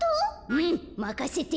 うんまかせて。